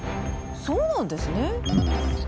そうなんですね。